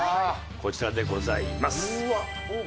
こちらでございます。